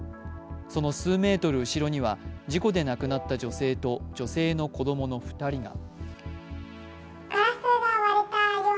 その数メートル後ろには事故で亡くなった女性と女性の子供の２人が。